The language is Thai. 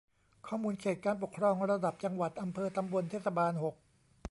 ข้อมูลเขตการปกครองระดับ จังหวัด อำเภอ ตำบล เทศบาล หก